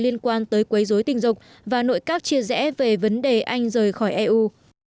liên quan tới quấy dối tình dục và nội các chia rẽ về vấn đề anh rời khỏi eu